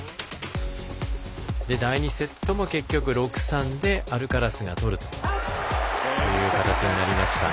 第２セットも結局６−３でアルカラスが取るという形になりました。